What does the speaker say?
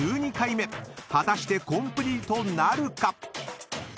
［果たしてコンプリートなるか？］